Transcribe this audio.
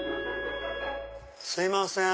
すいません！